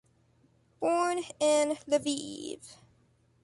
Born in Lviv.